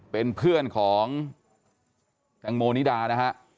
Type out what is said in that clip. เป็นเพื่อนของแตงโมนิดานะฮะ